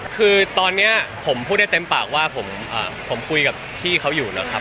คือตอนนี้ผมพูดได้เต็มปากว่าผมคุยกับพี่เขาอยู่แล้วครับ